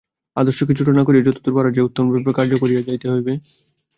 আদর্শকে ছোট না করিয়া যতদূর পারা যায় উত্তমরূপে কার্য করিয়া যাইতে হইবে।